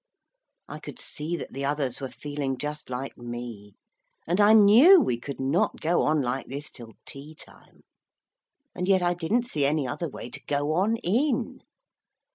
I could see that the others were feeling just like me, and I knew we could not go on like this till tea time. And yet I didn't see any other way to go on in.